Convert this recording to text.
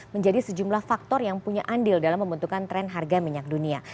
menjadi sejumlah faktor yang punya andil dalam pembentukan tren harga minyak dunia